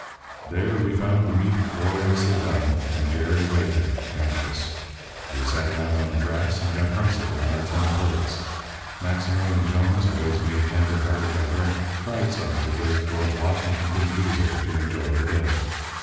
"There we found the meat gloriously done, and Jerry waiting, anxious. We sat around on the grass, and got hunks of it on our tin plates. Maximilian Jones, always made tender hearted by drink, cried some because George Washington couldn't be there to enjoy the day.